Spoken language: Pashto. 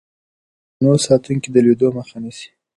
د زينو ساتونکي د لوېدو مخه نيسي.